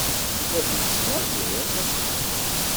La ten-tettnadiḍ?